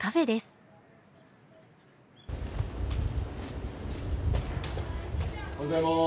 おはようございます。